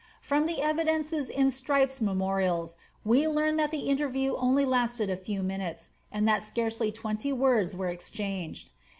From the evidences in Strype'e Memorials, we learn that the interview only lasted a few minutes, and that scarcely twenty words were exchanged.